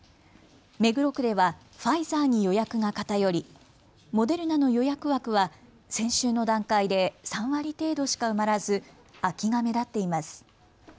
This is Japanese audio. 目黒区ではファイザーに予約が偏りモデルナの予約枠は先週の段階で３割程度しか埋まらず空きが目立っています。